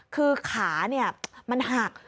คือขาเนี่ยมันหัก